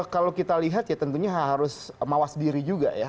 kalau kita lihat ya tentunya harus mawas diri juga ya